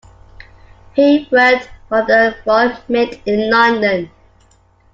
He worked for the Royal Mint in London.